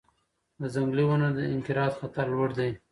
د ځنګلي ونو انقراض خطر لوړ دی.